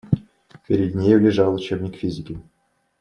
Перед нею лежал учебник физики.